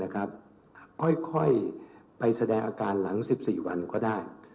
ค่อยไปแสดงอาการหลัง๑๔วันก็ได้